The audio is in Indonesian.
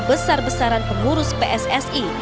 besar besaran pengurus pssi